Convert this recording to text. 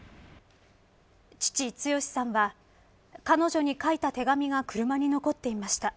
父、剛さんは彼女に書いた手紙が車に残ってました。